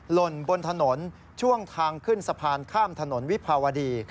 หล่นบนถนนช่วงทางขึ้นสะพานข้ามถนนวิภาวดี